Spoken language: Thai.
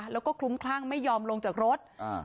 แล้วก็คลุ้มคลั่งไม่ยอมลงจากรถ